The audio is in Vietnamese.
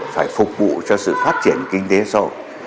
phải phục vụ cho sự phát triển kinh tế sau